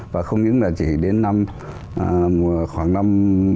và không những là chỉ đến khoảng năm một nghìn chín trăm ba mươi bốn mươi